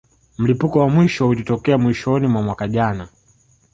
Mlipuko wa mwisho ulitokea mwishoni mwa mwaka jana